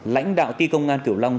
lãnh đạo ti công an kiều long